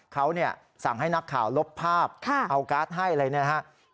เขาสั่งให้นักข่าวลบภาพเอาการ์ดให้อะไรเนี่ยนะครับ